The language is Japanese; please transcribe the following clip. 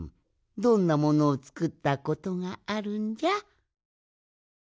どんなものをつくったことがあるんじゃ？